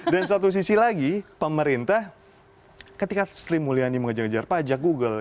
dan satu sisi lagi pemerintah ketika sri mulyani mengejar ngejar pajak google